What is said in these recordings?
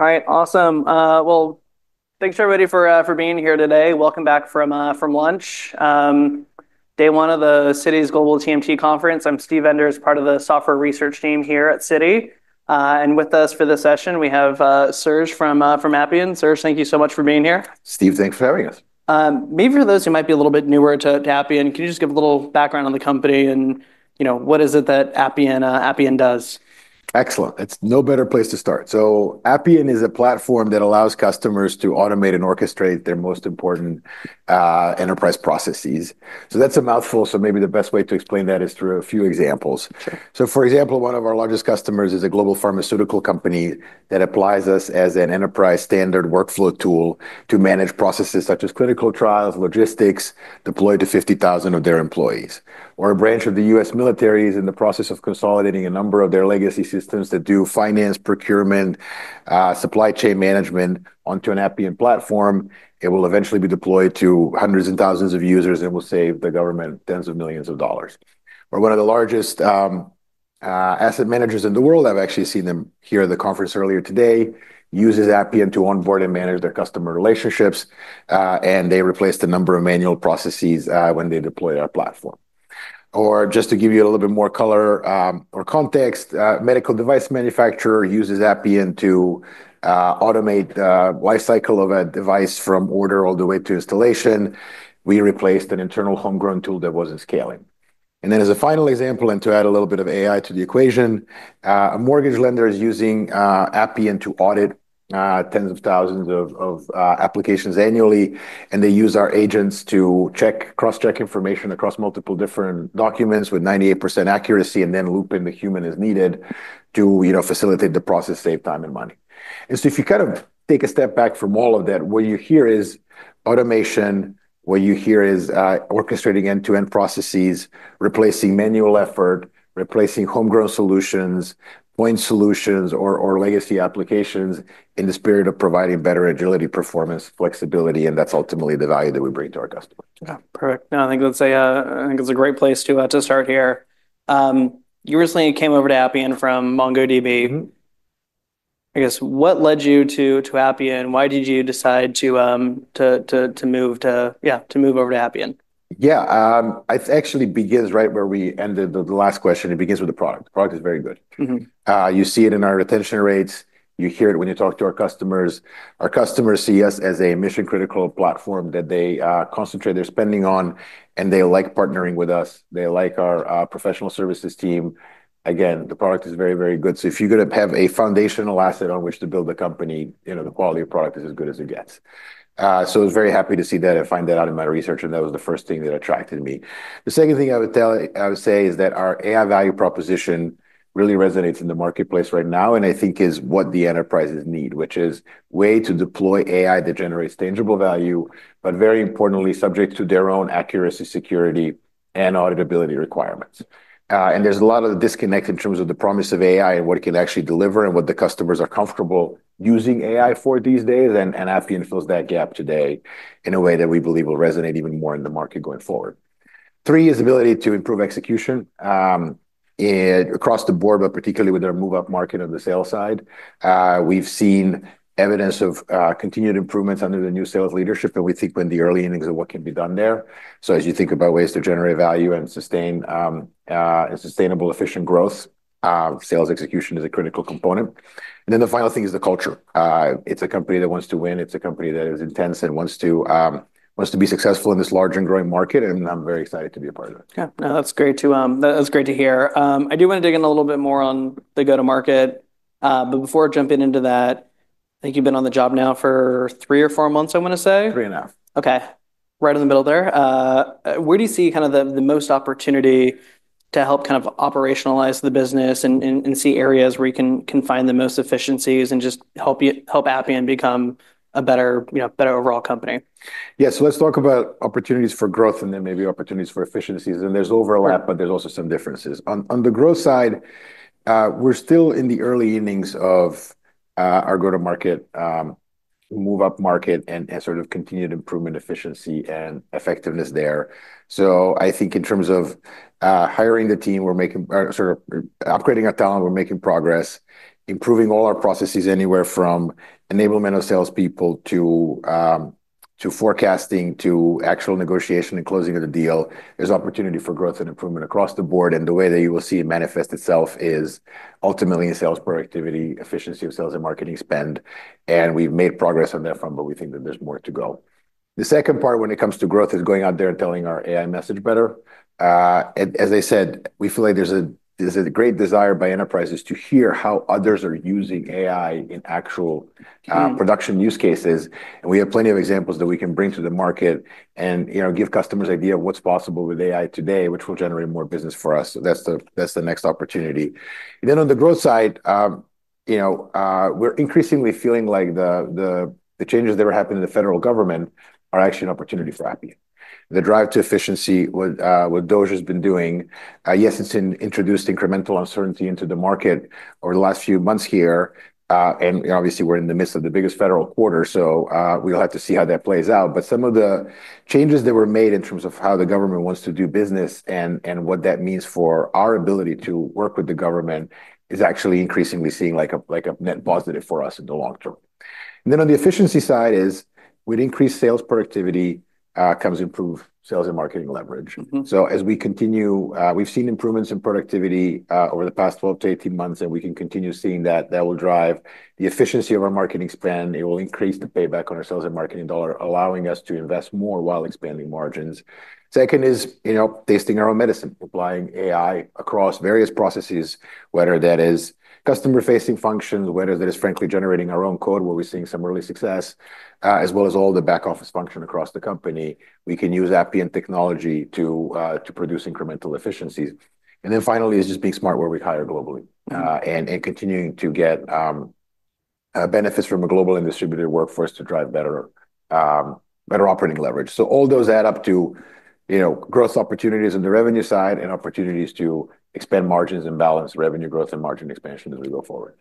All right, awesome. Well, thanks everybody for being here today. Welcome back from lunch, day one of the Citi's Global TMT Conference. I'm Steven Enders, part of the software research team here at Citi. And with us for this session, we have Serge from Appian. Serge, thank you so much for being here. Steve, thanks for having us. Maybe for those who might be a little bit newer to Appian, can you just give a little background on the company and what is it that Appian does? Excellent. There's no better place to start. So Appian is a platform that allows customers to automate and orchestrate their most important enterprise processes. So that's a mouthful. So maybe the best way to explain that is through a few examples. So for example, one of our largest customers is a global pharmaceutical company that applies us as an enterprise standard workflow tool to manage processes such as clinical trials, logistics, deployed to 50,000 of their employees. Or a branch of the U.S. military is in the process of consolidating a number of their legacy systems that do finance, procurement, supply chain management onto an Appian platform. It will eventually be deployed to hundreds and thousands of users and will save the government tens of millions of dollars. Or one of the largest asset managers in the world, I've actually seen them here at the conference earlier today, uses Appian to onboard and manage their customer relationships. And they replaced a number of manual processes when they deployed our platform. Or just to give you a little bit more color or context, a medical device manufacturer uses Appian to automate the lifecycle of a device from order all the way to installation. We replaced an internal homegrown tool that wasn't scaling. And then as a final example, and to add a little bit of AI to the equation, a mortgage lender is using Appian to audit tens of thousands of applications annually. And they use our agents to cross-check information across multiple different documents with 98% accuracy and then loop in the human as needed to facilitate the process, save time and money. So if you kind of take a step back from all of that, what you hear is automation. What you hear is orchestrating end-to-end processes, replacing manual effort, replacing homegrown solutions, point solutions, or legacy applications in the spirit of providing better agility, performance, flexibility. That's ultimately the value that we bring to our customers. Yeah, perfect. No, I think that's a great place to start here. You recently came over to Appian from MongoDB. I guess, what led you to Appian? Why did you decide to move to, yeah, to move over to Appian? Yeah, it actually begins right where we ended the last question. It begins with the product. The product is very good. You see it in our retention rates. You hear it when you talk to our customers. Our customers see us as a mission-critical platform that they concentrate their spending on, and they like partnering with us. They like our professional services team. Again, the product is very, very good, so if you're going to have a foundational asset on which to build a company, the quality of product is as good as it gets, so I was very happy to see that and find that out in my research, and that was the first thing that attracted me. The second thing I would say is that our AI value proposition really resonates in the marketplace right now, and I think is what the enterprises need, which is a way to deploy AI that generates tangible value, but very importantly, subject to their own accuracy, security, and auditability requirements, and there's a lot of disconnect in terms of the promise of AI and what it can actually deliver and what the customers are comfortable using AI for these days, and Appian fills that gap today in a way that we believe will resonate even more in the market going forward. Three is the ability to improve execution across the board, but particularly with our move-up market on the sales side. We've seen evidence of continued improvements under the new sales leadership, and we think in the early innings of what can be done there. So as you think about ways to generate value and sustain sustainable, efficient growth, sales execution is a critical component. And then the final thing is the culture. It's a company that wants to win. It's a company that is intense and wants to be successful in this large and growing market. And I'm very excited to be a part of it. Yeah, no, that's great to hear. I do want to dig in a little bit more on the go-to-market. But before jumping into that, I think you've been on the job now for three or four months, I want to say. Three and a half. Okay, right in the middle there. Where do you see kind of the most opportunity to help kind of operationalize the business and see areas where you can find the most efficiencies and just help Appian become a better overall company? Yeah, so let's talk about opportunities for growth and then maybe opportunities for efficiencies, and there's overlap, but there's also some differences. On the growth side, we're still in the early innings of our go-to-market, move-up market, and sort of continued improvement, efficiency, and effectiveness there. So I think in terms of hiring the team, we're upgrading our talent. We're making progress, improving all our processes anywhere from enablement of salespeople to forecasting to actual negotiation and closing of the deal. There's opportunity for growth and improvement across the board, and the way that you will see it manifest itself is ultimately in sales productivity, efficiency of sales and marketing spend, and we've made progress on that front, but we think that there's more to go. The second part when it comes to growth is going out there and telling our AI message better. As I said, we feel like there's a great desire by enterprises to hear how others are using AI in actual production use cases, and we have plenty of examples that we can bring to the market and give customers an idea of what's possible with AI today, which will generate more business for us, so that's the next opportunity, and then on the growth side, we're increasingly feeling like the changes that are happening in the federal government are actually an opportunity for Appian. The drive to efficiency with DOGE has been doing. Yes, it's introduced incremental uncertainty into the market over the last few months here, and obviously, we're in the midst of the biggest federal quarter, so we'll have to see how that plays out. But some of the changes that were made in terms of how the government wants to do business and what that means for our ability to work with the government is actually increasingly seeing like a net positive for us in the long term. And then on the efficiency side is with increased sales productivity comes improved sales and marketing leverage. So as we continue, we've seen improvements in productivity over the past 12-18 months. And we can continue seeing that will drive the efficiency of our marketing spend. It will increase the payback on our sales and marketing dollar, allowing us to invest more while expanding margins. Second is tasting our own medicine, applying AI across various processes, whether that is customer-facing functions, whether that is, frankly, generating our own code, where we're seeing some early success, as well as all the back office function across the company. We can use Appian technology to produce incremental efficiencies. And then finally is just being smart where we hire globally and continuing to get benefits from a global and distributed workforce to drive better operating leverage. So all those add up to growth opportunities on the revenue side and opportunities to expand margins and balance revenue growth and margin expansion as we go forward.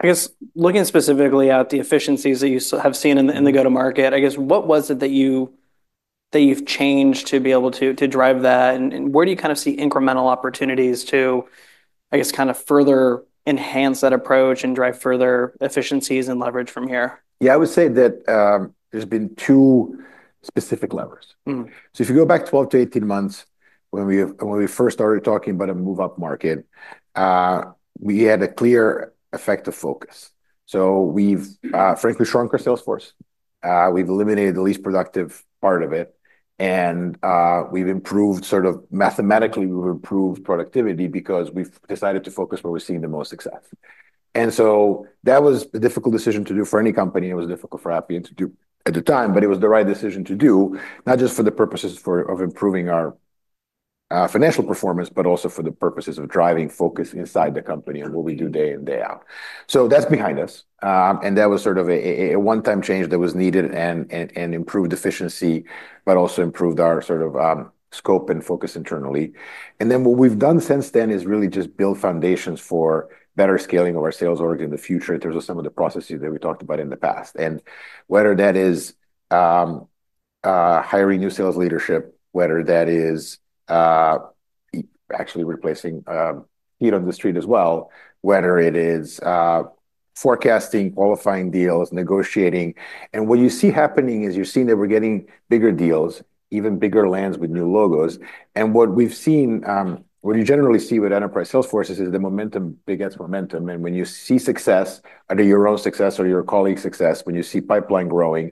I guess looking specifically at the efficiencies that you have seen in the go-to-market, I guess what was it that you've changed to be able to drive that? And where do you kind of see incremental opportunities to, I guess, kind of further enhance that approach and drive further efficiencies and leverage from here? Yeah, I would say that there's been two specific levers. So if you go back 12-18 months when we first started talking about a move-up market, we had a clear effect of focus. So we've, frankly, shrunk our sales force. We've eliminated the least productive part of it. And we've improved sort of mathematically, we've improved productivity because we've decided to focus where we're seeing the most success. And so that was a difficult decision to do for any company. It was difficult for Appian to do at the time, but it was the right decision to do, not just for the purposes of improving our financial performance, but also for the purposes of driving focus inside the company and what we do day in, day out. So that's behind us. And that was sort of a one-time change that was needed and improved efficiency, but also improved our sort of scope and focus internally. And then what we've done since then is really just build foundations for better scaling of our sales orgs in the future in terms of some of the processes that we talked about in the past. And whether that is hiring new sales leadership, whether that is actually replacing feet on the street as well, whether it is forecasting, qualifying deals, negotiating. And what you see happening is you're seeing that we're getting bigger deals, even bigger lands with new logos. And what we've seen, what you generally see with enterprise sales forces is the momentum begets momentum. When you see success under your own success or your colleagues' success, when you see pipeline growing,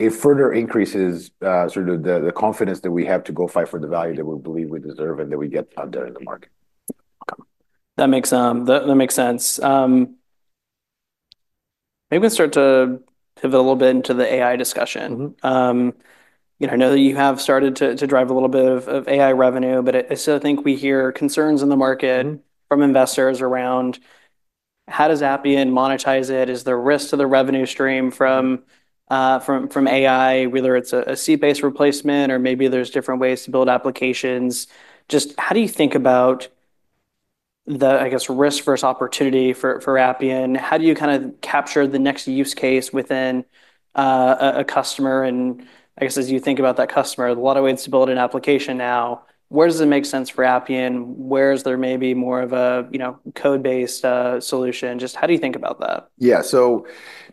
it further increases sort of the confidence that we have to go fight for the value that we believe we deserve and that we get out there in the market. That makes sense. Maybe we can start to pivot a little bit into the AI discussion. I know that you have started to drive a little bit of AI revenue, but I still think we hear concerns in the market from investors around how does Appian monetize it? Is there risk to the revenue stream from AI, whether it's a seed-based replacement, or maybe there's different ways to build applications? Just how do you think about the, I guess, risk versus opportunity for Appian? How do you kind of capture the next use case within a customer? And I guess as you think about that customer, a lot of ways to build an application now, where does it make sense for Appian? Where is there maybe more of a code-based solution? Just how do you think about that? Yeah, so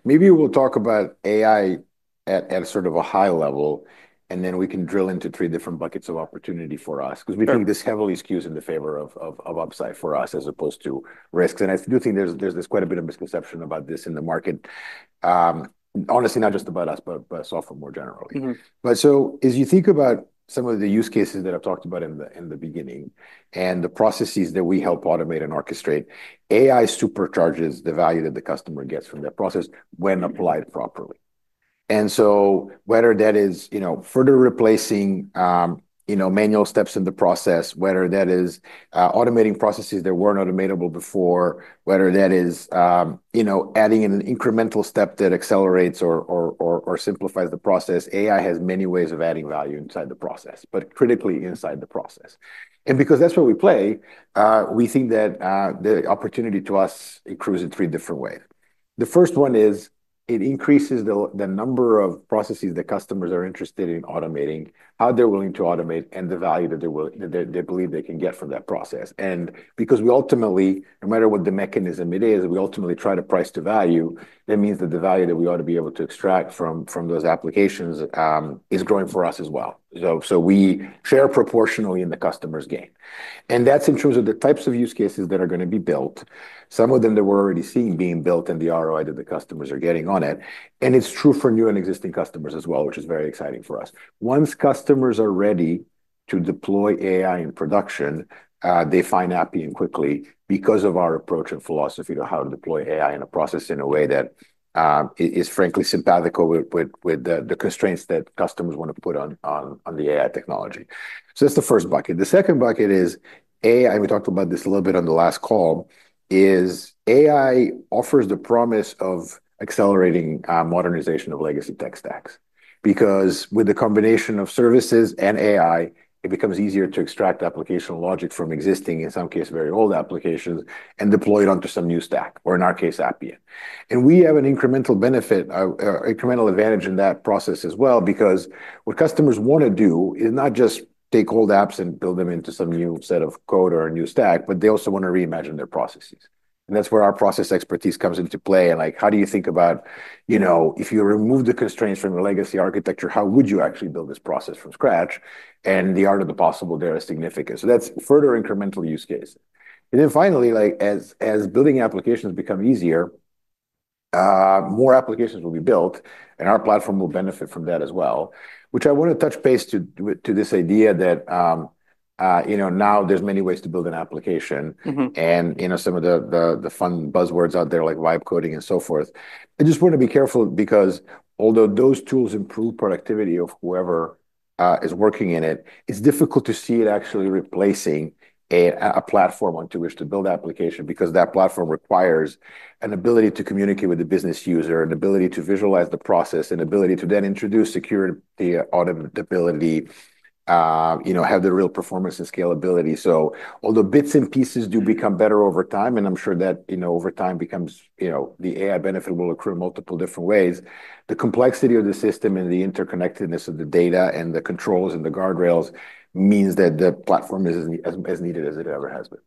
maybe we'll talk about AI at sort of a high level, and then we can drill into three different buckets of opportunity for us because we think this heavily skews in the favor of upside for us as opposed to risks, and I do think there's quite a bit of misconception about this in the market, honestly, not just about us, but software more generally, but so as you think about some of the use cases that I've talked about in the beginning and the processes that we help automate and orchestrate, AI supercharges the value that the customer gets from that process when applied properly. And so whether that is further replacing manual steps in the process, whether that is automating processes that weren't automatable before, whether that is adding an incremental step that accelerates or simplifies the process, AI has many ways of adding value inside the process, but critically inside the process. And because that's where we play, we think that the opportunity to us increases in three different ways. The first one is it increases the number of processes that customers are interested in automating, how they're willing to automate, and the value that they believe they can get from that process. And because we ultimately, no matter what the mechanism it is, we ultimately try to price to value, that means that the value that we ought to be able to extract from those applications is growing for us as well. So we share proportionally in the customer's gain. That's in terms of the types of use cases that are going to be built, some of them that we're already seeing being built in the ROI that the customers are getting on it. It's true for new and existing customers as well, which is very exciting for us. Once customers are ready to deploy AI in production, they find Appian quickly because of our approach and philosophy to how to deploy AI in a process in a way that is, frankly, sympathetic with the constraints that customers want to put on the AI technology. So that's the first bucket. The second bucket is AI, and we talked about this a little bit on the last call, is AI offers the promise of accelerating modernization of legacy tech stacks. Because with the combination of services and AI, it becomes easier to extract application logic from existing, in some cases, very old applications and deploy it onto some new stack, or in our case, Appian. And we have an incremental benefit, incremental advantage in that process as well because what customers want to do is not just take old apps and build them into some new set of code or a new stack, but they also want to reimagine their processes. And that's where our process expertise comes into play. And how do you think about if you remove the constraints from your legacy architecture, how would you actually build this process from scratch? And the art of the possible there is significant. So that's further incremental use cases. And then finally, as building applications become easier, more applications will be built, and our platform will benefit from that as well, which I want to touch base to this idea that now there's many ways to build an application. And some of the fun buzzwords out there, like vibe coding and so forth, I just want to be careful because although those tools improve productivity of whoever is working in it, it's difficult to see it actually replacing a platform onto which to build an application because that platform requires an ability to communicate with the business user, an ability to visualize the process, an ability to then introduce security, auditability, have the real performance and scalability. So, although bits and pieces do become better over time, and I'm sure that over time becomes the AI benefit will occur in multiple different ways, the complexity of the system and the interconnectedness of the data and the controls and the guardrails means that the platform is as needed as it ever has been.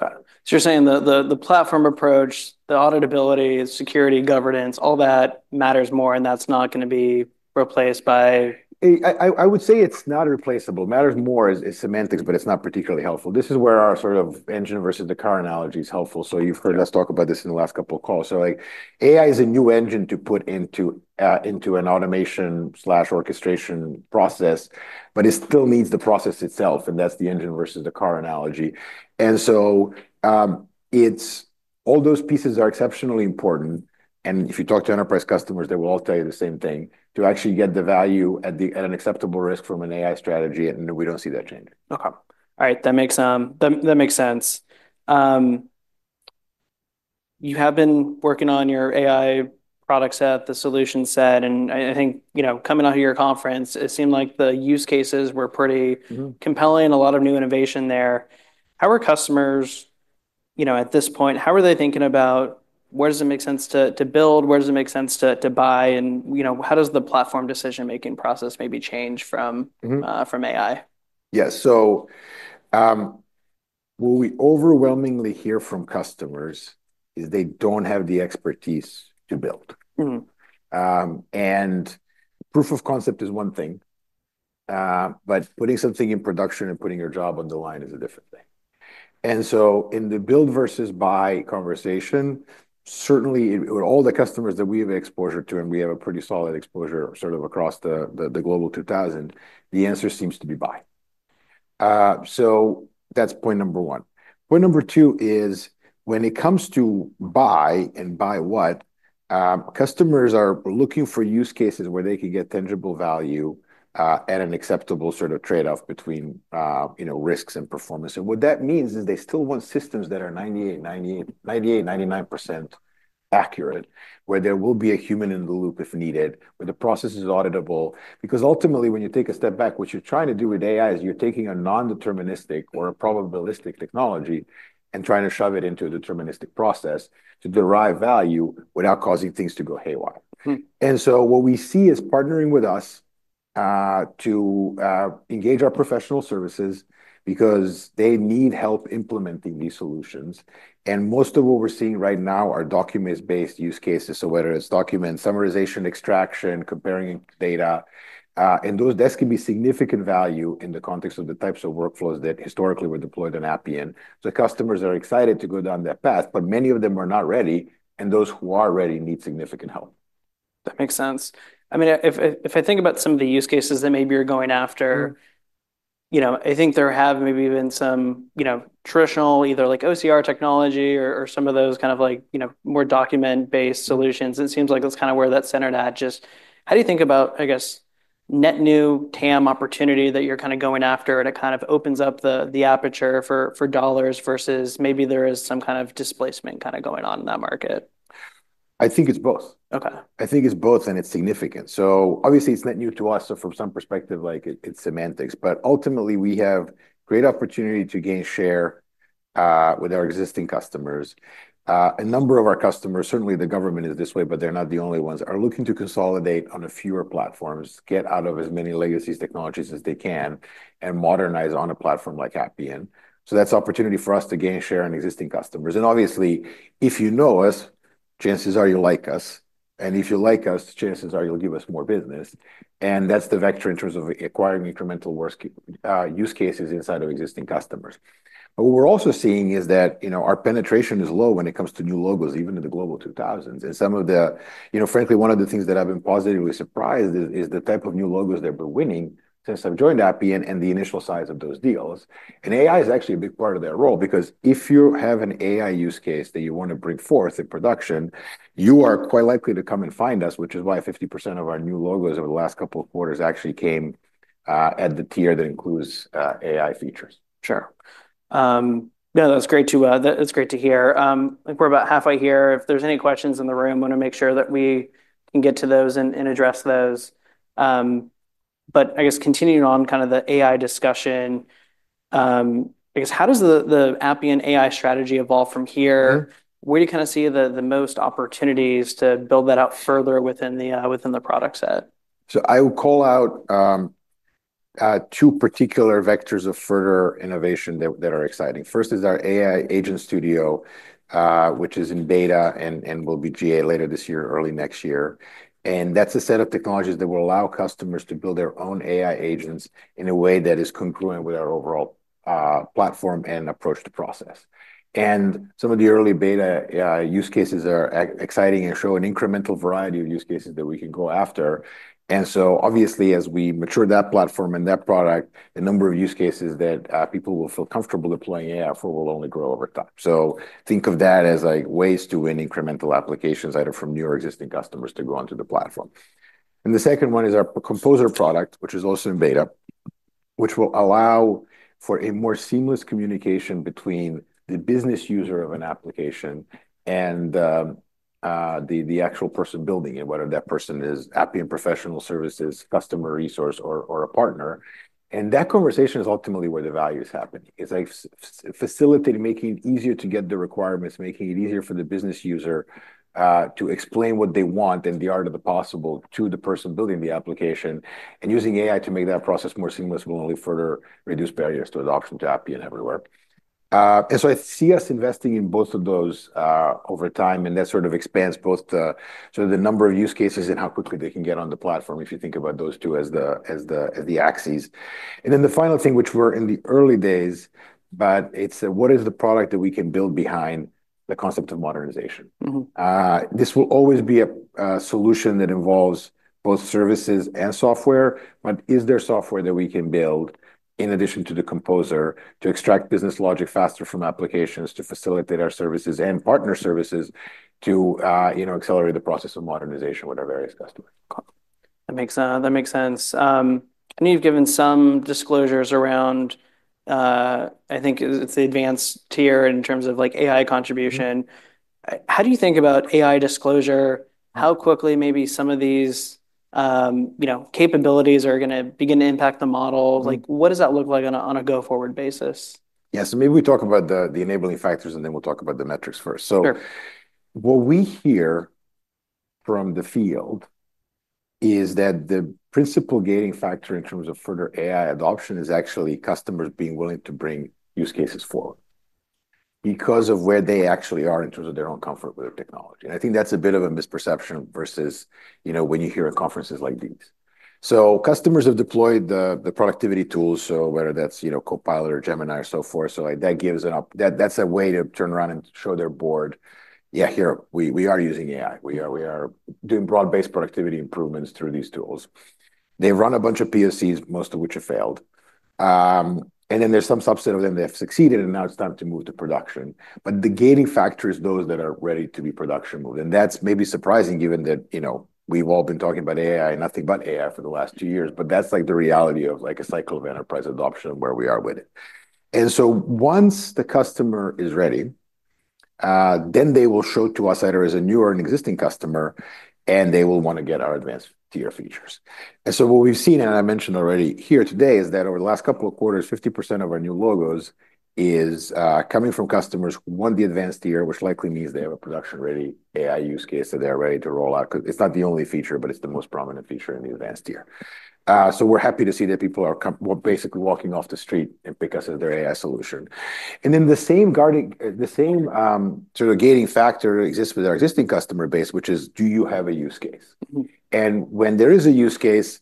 So you're saying the platform approach, the auditability, security, governance, all that matters more, and that's not going to be replaced by. I would say it's not replaceable. Matters more is semantics, but it's not particularly helpful. This is where our sort of engine versus the car analogy is helpful. So you've heard us talk about this in the last couple of calls. So AI is a new engine to put into an automation/orchestration process, but it still needs the process itself, and that's the engine versus the car analogy. And so all those pieces are exceptionally important. And if you talk to enterprise customers, they will all tell you the same thing to actually get the value at an acceptable risk from an AI strategy, and we don't see that changing. Okay. All right. That makes sense. You have been working on your AI products at the solution set. And I think coming out of your conference, it seemed like the use cases were pretty compelling, a lot of new innovation there. How are customers at this point, how are they thinking about where does it make sense to build, where does it make sense to buy, and how does the platform decision-making process maybe change from AI? Yeah. So what we overwhelmingly hear from customers is they don't have the expertise to build. And proof of concept is one thing, but putting something in production and putting your job on the line is a different thing. And so in the build versus buy conversation, certainly with all the customers that we have exposure to, and we have a pretty solid exposure sort of across the Global 2000, the answer seems to be buy. So that's point number one. Point number two is when it comes to buy and buy what, customers are looking for use cases where they can get tangible value at an acceptable sort of trade-off between risks and performance. And what that means is they still want systems that are 98%-99% accurate, where there will be a human in the loop if needed, where the process is auditable. Because ultimately, when you take a step back, what you're trying to do with AI is you're taking a non-deterministic or a probabilistic technology and trying to shove it into a deterministic process to derive value without causing things to go haywire. And so what we see is partnering with us to engage our professional services because they need help implementing these solutions. And most of what we're seeing right now are documents-based use cases. So whether it's document summarization, extraction, comparing data, and those can be significant value in the context of the types of workflows that historically were deployed in Appian. So customers are excited to go down that path, but many of them are not ready, and those who are ready need significant help. That makes sense. I mean, if I think about some of the use cases that maybe you're going after, I think there have maybe been some traditional either OCR technology or some of those kind of more document-based solutions. It seems like that's kind of where that's centered at. Just how do you think about, I guess, net new TAM opportunity that you're kind of going after and it kind of opens up the aperture for dollars versus maybe there is some kind of displacement kind of going on in that market? I think it's both. I think it's both, and it's significant. So obviously, it's net new to us. So from some perspective, it's semantics. But ultimately, we have great opportunity to gain share with our existing customers. A number of our customers, certainly the government is this way, but they're not the only ones, are looking to consolidate on a fewer platforms, get out of as many legacy technologies as they can, and modernize on a platform like Appian. So that's opportunity for us to gain share in existing customers. And obviously, if you know us, chances are you'll like us. And if you like us, chances are you'll give us more business. And that's the vector in terms of acquiring incremental use cases inside of existing customers. But what we're also seeing is that our penetration is low when it comes to new logos, even in the global 2000s. Some of the, frankly, one of the things that I've been positively surprised is the type of new logos that we're winning since I've joined Appian and the initial size of those deals. AI is actually a big part of their role because if you have an AI use case that you want to bring forth in production, you are quite likely to come and find us, which is why 50% of our new logos over the last couple of quarters actually came at the tier that includes AI features. Sure. No, that's great to hear. We're about halfway here. If there's any questions in the room, I want to make sure that we can get to those and address those. But I guess continuing on kind of the AI discussion, I guess, how does the Appian AI strategy evolve from here? Where do you kind of see the most opportunities to build that out further within the product set? So I will call out two particular vectors of further innovation that are exciting. First is our AI Agent Studio, which is in beta and will be GA later this year, early next year. And that's a set of technologies that will allow customers to build their own AI agents in a way that is congruent with our overall platform and approach to process. And some of the early beta use cases are exciting and show an incremental variety of use cases that we can go after. And so obviously, as we mature that platform and that product, the number of use cases that people will feel comfortable deploying AI for will only grow over time. So think of that as ways to win incremental applications either from new or existing customers to go onto the platform. The second one is our Composer product, which is also in beta, which will allow for a more seamless communication between the business user of an application and the actual person building it, whether that person is Appian Professional Services, customer resource, or a partner. That conversation is ultimately where the value is happening. It's facilitating, making it easier to get the requirements, making it easier for the business user to explain what they want and the art of the possible to the person building the application. Using AI to make that process more seamless will only further reduce barriers to adoption to Appian everywhere. I see us investing in both of those over time, and that sort of expands both the number of use cases and how quickly they can get on the platform if you think about those two as the axes. And then the final thing, which we're in the early days, but it's what is the product that we can build behind the concept of modernization? This will always be a solution that involves both services and software, but is there software that we can build in addition to the Composer to extract business logic faster from applications to facilitate our services and partner services to accelerate the process of modernization with our various customers? That makes sense. I know you've given some disclosures around, I think it's the advanced tier in terms of AI contribution. How do you think about AI disclosure? How quickly maybe some of these capabilities are going to begin to impact the model? What does that look like on a go-forward basis? Yeah. So maybe we talk about the enabling factors, and then we'll talk about the metrics first. So what we hear from the field is that the principal gating factor in terms of further AI adoption is actually customers being willing to bring use cases forward because of where they actually are in terms of their own comfort with their technology. And I think that's a bit of a misperception versus when you hear at conferences like these. So customers have deployed the productivity tools, so whether that's Copilot or Gemini or so forth. So that gives an up, that's a way to turn around and show their board, "Yeah, here, we are using AI. We are doing broad-based productivity improvements through these tools." They run a bunch of POCs, most of which have failed. And then there's some subset of them that have succeeded, and now it's time to move to production. But the gating factor is those that are ready to be production moved. And that's maybe surprising given that we've all been talking about AI and nothing but AI for the last two years, but that's the reality of a cycle of enterprise adoption where we are with it. And so once the customer is ready, then they will show to us either as a new or an existing customer, and they will want to get our advanced tier features. And so what we've seen, and I mentioned already here today, is that over the last couple of quarters, 50% of our new logos is coming from customers who want the advanced tier, which likely means they have a production-ready AI use case that they're ready to roll out. It's not the only feature, but it's the most prominent feature in the advanced tier. So we're happy to see that people are basically walking off the street and pick us as their AI solution. And then the same sort of gating factor exists with our existing customer base, which is, "Do you have a use case?" And when there is a use case,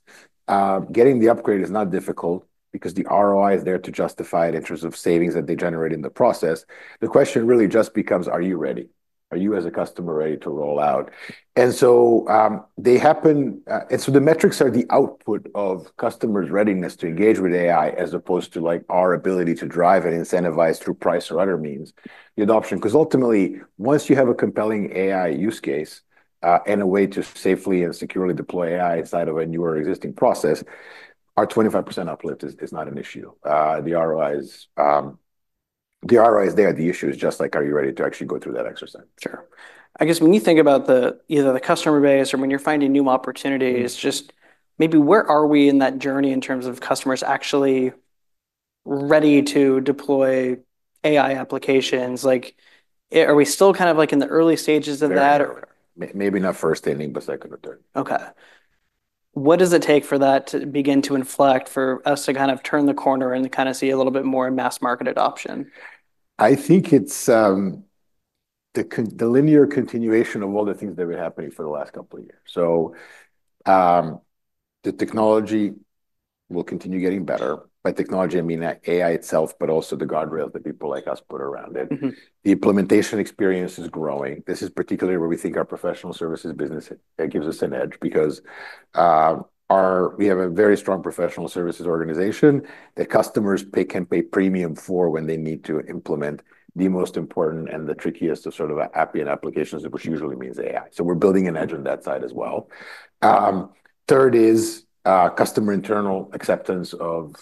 getting the upgrade is not difficult because the ROI is there to justify it in terms of savings that they generate in the process. The question really just becomes, "Are you ready? Are you as a customer ready to roll out?" And so they happen. And so the metrics are the output of customers' readiness to engage with AI as opposed to our ability to drive and incentivize through price or other means the adoption. Because ultimately, once you have a compelling AI use case and a way to safely and securely deploy AI inside of a new or existing process, our 25% uplift is not an issue. The ROI is there. The issue is just like, "Are you ready to actually go through that exercise?" Sure. I guess when you think about either the customer base or when you're finding new opportunities, just maybe where are we in that journey in terms of customers actually ready to deploy AI applications? Are we still kind of in the early stages of that? Maybe not first inning, but second or third. Okay. What does it take for that to begin to inflect for us to kind of turn the corner and kind of see a little bit more mass-market adoption? I think it's the linear continuation of all the things that have been happening for the last couple of years. So the technology will continue getting better. By technology, I mean AI itself, but also the guardrails that people like us put around it. The implementation experience is growing. This is particularly where we think our professional services business gives us an edge because we have a very strong professional services organization that customers can pay premium for when they need to implement the most important and the trickiest of sort of Appian applications, which usually means AI. So we're building an edge on that side as well. Third is customer internal acceptance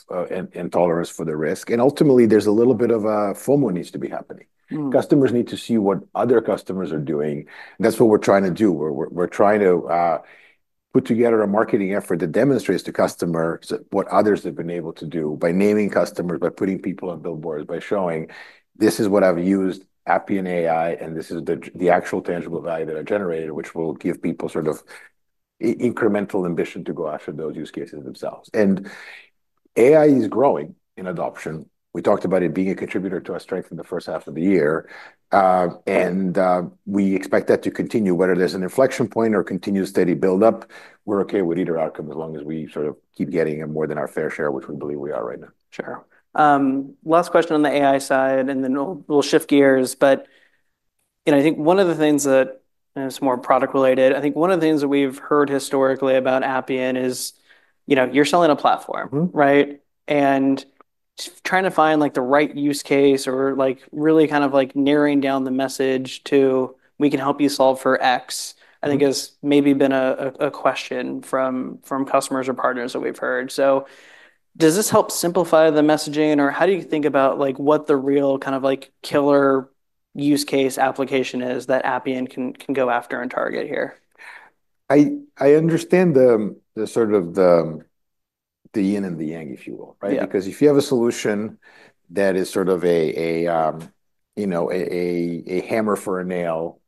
and tolerance for the risk. And ultimately, there's a little bit of FOMO needs to be happening. Customers need to see what other customers are doing. That's what we're trying to do. We're trying to put together a marketing effort that demonstrates to customers what others have been able to do by naming customers, by putting people on billboards, by showing, "This is what I've used Appian AI, and this is the actual tangible value that I generated," which will give people sort of incremental ambition to go after those use cases themselves. And AI is growing in adoption. We talked about it being a contributor to our strength in the first half of the year. And we expect that to continue, whether there's an inflection point or continued steady build-up. We're okay with either outcome as long as we sort of keep getting more than our fair share, which we believe we are right now. Sure. Last question on the AI side, and then we'll shift gears. But I think one of the things that is more product-related, I think one of the things that we've heard historically about Appian is you're selling a platform, right? And trying to find the right use case or really kind of narrowing down the message to, "We can help you solve for X," I think has maybe been a question from customers or partners that we've heard. So does this help simplify the messaging, or how do you think about what the real kind of killer use case application is that Appian can go after and target here? I understand sort of the yin and the yang, if you will, right? Because if you have a solution that is sort of a hammer for a nail,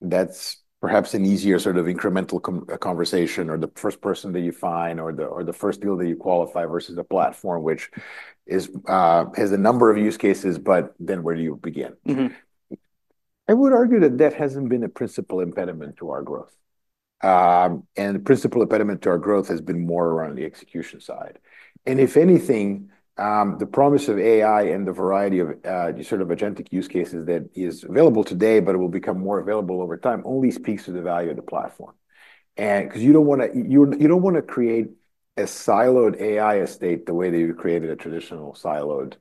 that's perhaps an easier sort of incremental conversation or the first person that you find or the first deal that you qualify versus a platform which has a number of use cases, but then where do you begin? I would argue that that hasn't been a principal impediment to our growth, and the principal impediment to our growth has been more around the execution side, and if anything, the promise of AI and the variety of sort of agentic use cases that is available today, but it will become more available over time, only speaks to the value of the platform. Because you don't want to create a siloed AI estate the way that you created a traditional siloed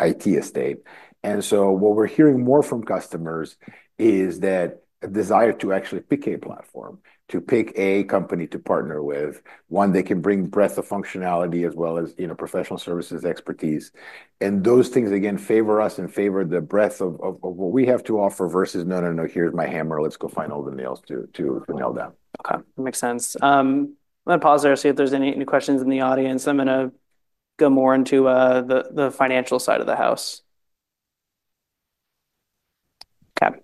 IT estate. What we're hearing more from customers is a desire to actually pick a platform, to pick a company to partner with, one that can bring breadth of functionality as well as professional services expertise. Those things, again, favor us and favor the breadth of what we have to offer versus, "No, no, no, here's my hammer. Let's go find all the nails to nail down. Okay. That makes sense. I'm going to pause there and see if there's any questions in the audience. I'm going to go more into the financial side of the house. Okay.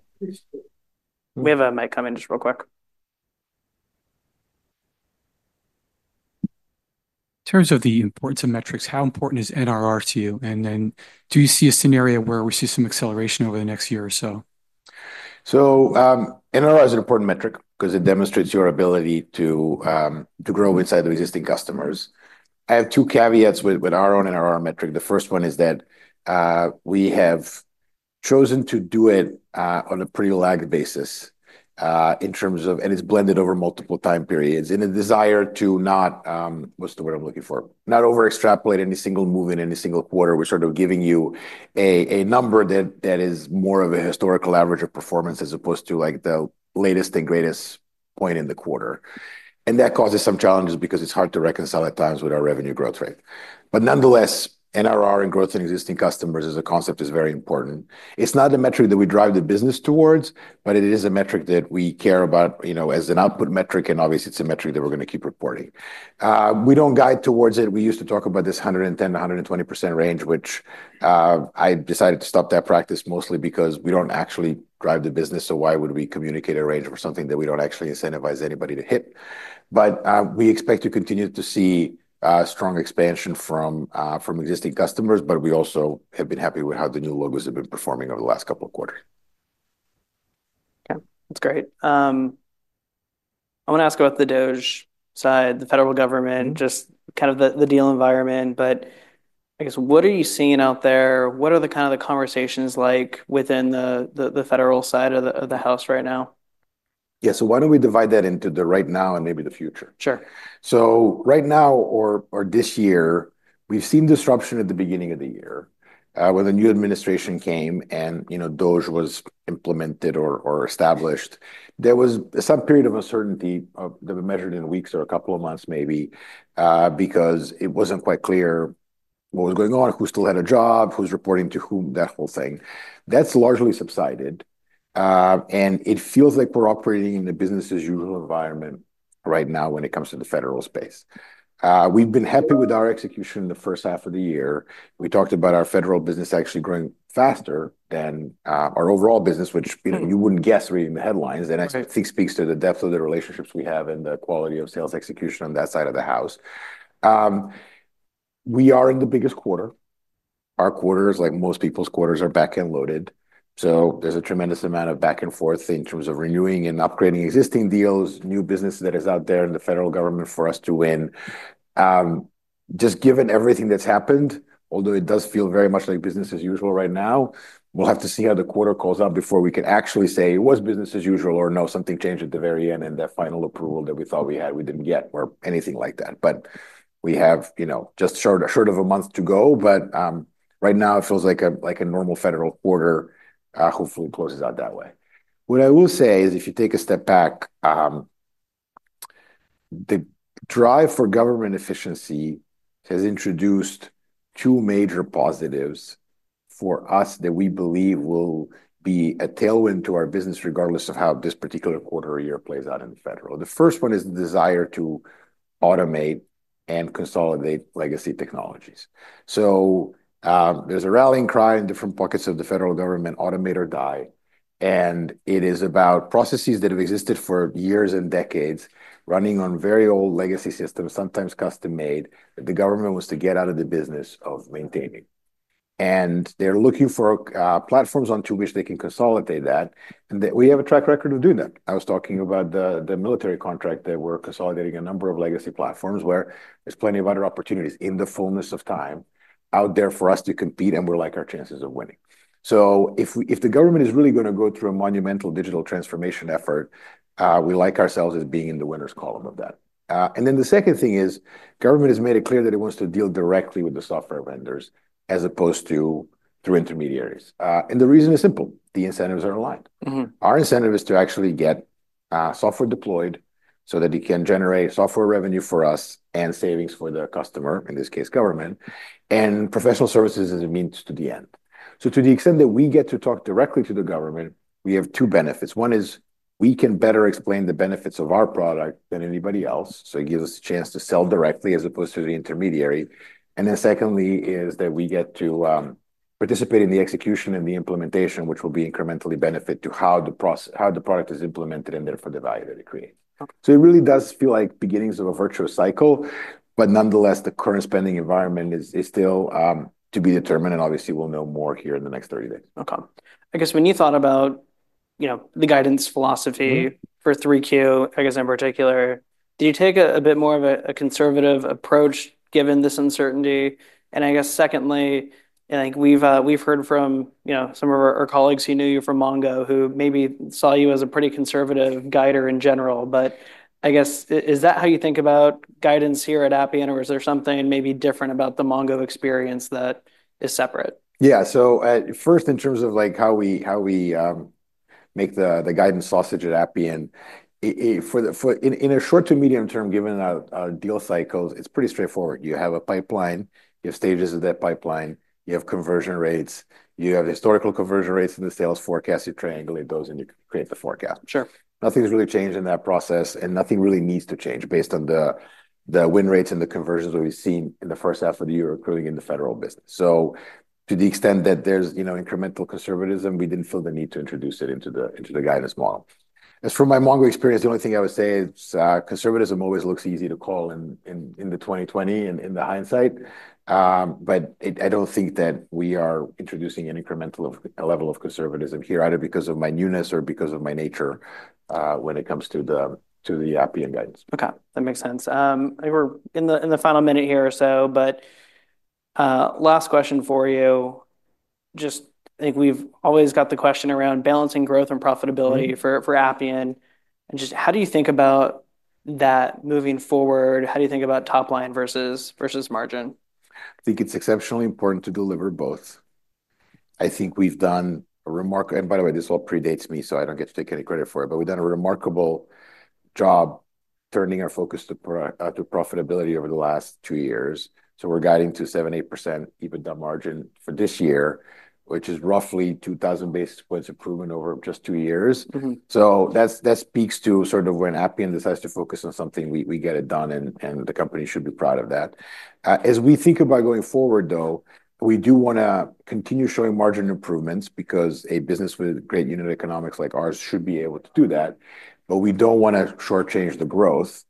We have a mic come in just real quick. In terms of the importance of metrics, how important is NRR to you? And then do you see a scenario where we see some acceleration over the next year or so? NRR is an important metric because it demonstrates your ability to grow inside of existing customers. I have two caveats with our own NRR metric. The first one is that we have chosen to do it on a pretty lagged basis in terms of, and it's blended over multiple time periods in a desire to not, what's the word I'm looking for? Not overextrapolate any single move in any single quarter. We're sort of giving you a number that is more of a historical average of performance as opposed to the latest and greatest point in the quarter. And that causes some challenges because it's hard to reconcile at times with our revenue growth rate. But nonetheless, NRR and growth in existing customers as a concept is very important. It's not a metric that we drive the business towards, but it is a metric that we care about as an output metric, and obviously, it's a metric that we're going to keep reporting. We don't guide towards it. We used to talk about this 110%-120% range, which I decided to stop that practice mostly because we don't actually drive the business. So why would we communicate a range for something that we don't actually incentivize anybody to hit? But we expect to continue to see strong expansion from existing customers, but we also have been happy with how the new logos have been performing over the last couple of quarters. Okay. That's great. I want to ask about the DOGE side, the federal government, just kind of the deal environment. But I guess, what are you seeing out there? What are the kind of conversations like within the federal side of the house right now? Yeah. So why don't we divide that into the right now and maybe the future? Sure. Right now or this year, we've seen disruption at the beginning of the year when the new administration came and DOGE was implemented or established. There was some period of uncertainty that was measured in weeks or a couple of months maybe because it wasn't quite clear what was going on, who still had a job, who's reporting to whom, that whole thing. That's largely subsided. And it feels like we're operating in the business's usual environment right now when it comes to the federal space. We've been happy with our execution in the first half of the year. We talked about our federal business actually growing faster than our overall business, which you wouldn't guess reading the headlines. And I think it speaks to the depth of the relationships we have and the quality of sales execution on that side of the house. We are in the biggest quarter. Our quarters, like most people's quarters, are back-end loaded. So there's a tremendous amount of back-and-forth in terms of renewing and upgrading existing deals, new business that is out there in the federal government for us to win. Just given everything that's happened, although it does feel very much like business as usual right now, we'll have to see how the quarter calls out before we can actually say it was business as usual or no, something changed at the very end and that final approval that we thought we had, we didn't get or anything like that. But we have just short of a month to go. But right now, it feels like a normal federal quarter, hopefully closes out that way. What I will say is if you take a step back, the drive for government efficiency has introduced two major positives for us that we believe will be a tailwind to our business regardless of how this particular quarter or year plays out in the federal. The first one is the desire to automate and consolidate legacy technologies. So there's a rallying cry in different pockets of the federal government, "Automate or die." And it is about processes that have existed for years and decades running on very old legacy systems, sometimes custom-made that the government wants to get out of the business of maintaining. And they're looking for platforms onto which they can consolidate that. And we have a track record of doing that. I was talking about the military contract that we're consolidating a number of legacy platforms, where there's plenty of other opportunities in the fullness of time out there for us to compete, and we like our chances of winning. So if the government is really going to go through a monumental digital transformation effort, we like ourselves as being in the winner's column of that. And then the second thing is government has made it clear that it wants to deal directly with the software vendors as opposed to through intermediaries. And the reason is simple. The incentives are aligned. Our incentive is to actually get software deployed so that it can generate software revenue for us and savings for the customer, in this case, government, and professional services as a means to the end. So to the extent that we get to talk directly to the government, we have two benefits. One is we can better explain the benefits of our product than anybody else. So it gives us a chance to sell directly as opposed to the intermediary. And then secondly is that we get to participate in the execution and the implementation, which will be incrementally benefit to how the product is implemented and therefore the value that it creates. So it really does feel like beginnings of a virtuous cycle, but nonetheless, the current spending environment is still to be determined. And obviously, we'll know more here in the next 30 days. Okay. I guess when you thought about the guidance philosophy for 3Q, I guess in particular, did you take a bit more of a conservative approach given this uncertainty? And I guess secondly, I think we've heard from some of our colleagues who knew you from Mongo who maybe saw you as a pretty conservative guider in general. But I guess, is that how you think about guidance here at Appian, or is there something maybe different about the Mongo experience that is separate? Yeah. So first, in terms of how we make the guidance sausage at Appian, in a short to medium term, given our deal cycles, it's pretty straightforward. You have a pipeline. You have stages of that pipeline. You have conversion rates. You have historical conversion rates in the sales forecast. You triangulate those, and you create the forecast. Nothing's really changed in that process, and nothing really needs to change based on the win rates and the conversions that we've seen in the first half of the year recruiting in the federal business. So to the extent that there's incremental conservatism, we didn't feel the need to introduce it into the guidance model. As for my MongoDB experience, the only thing I would say is conservatism always looks easy to call in the 20/20 and in the hindsight. But I don't think that we are introducing an incremental level of conservatism here, either because of my newness or because of my nature when it comes to the Appian guidance. Okay. That makes sense. We're in the final minute here or so, but last question for you. Just I think we've always got the question around balancing growth and profitability for Appian. And just how do you think about that moving forward? How do you think about top line versus margin? I think it's exceptionally important to deliver both. I think we've done a remarkable, and by the way, this all predates me, so I don't get to take any credit for it, but we've done a remarkable job turning our focus to profitability over the last two years. So we're guiding to 7%-8% EBITDA margin for this year, which is roughly 2,000 basis points improvement over just two years. So that speaks to sort of when Appian decides to focus on something, we get it done, and the company should be proud of that. As we think about going forward, though, we do want to continue showing margin improvements because a business with great unit economics like ours should be able to do that. But we don't want to shortchange the growth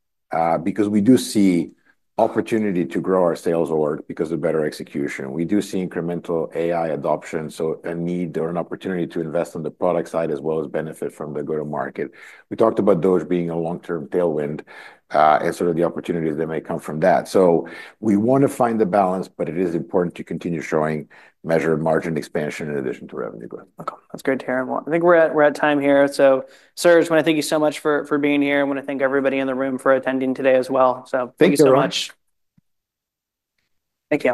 because we do see opportunity to grow our sales org because of better execution. We do see incremental AI adoption, so a need or an opportunity to invest on the product side as well as benefit from the go-to-market. We talked about DOGE being a long-term tailwind and sort of the opportunities that may come from that, so we want to find the balance, but it is important to continue showing measured margin expansion in addition to revenue growth. Okay. That's great to hear. I think we're at time here. So Serge, I want to thank you so much for being here. I want to thank everybody in the room for attending today as well. So thank you so much. Thank you.